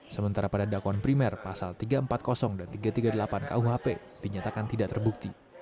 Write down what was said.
sementara pada dakwaan primer pasal tiga ratus empat puluh dan tiga ratus tiga puluh delapan kuhp dinyatakan tidak terbukti